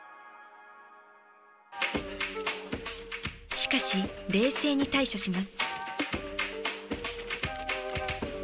しかし冷静に対処します。